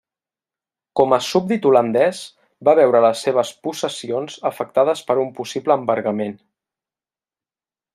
Com a súbdit holandès va veure les seves possessions afectades per un possible embargament.